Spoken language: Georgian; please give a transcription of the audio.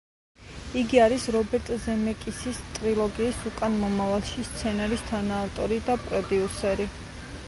იგი არის რობერტ ზემეკისის ტრილოგიის „უკან მომავალში“ სცენარის თანაავტორი და პროდიუსერი.